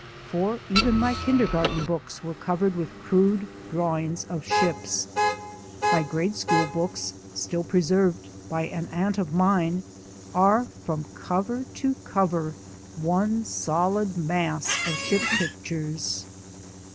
For even my kindergarten books were covered with crude drawings of ships. My grade school books, still preserved by an aunt of mine, are, from cover to cover, one solid mass of ship pictures.